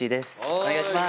お願いします。